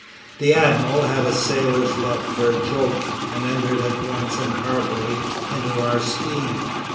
The Admiral had a sailor's love for a joke, and entered at once and heartily into our scheme.